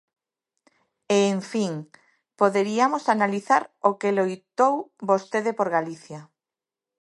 E, en fin, poderiamos analizar o que loitou vostede por Galicia.